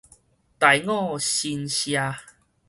大我新舍